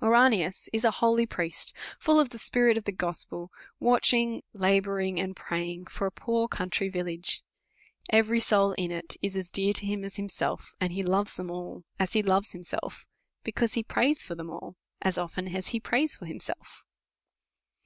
Ouranius is a holy priest, full of the spirit of the gospel, watching, labouring, and praying for a poor country village. Every soul in it is as dear to him as himself; and he loves them all as he loves himself; because he prays for them all, as often as he prays for himself.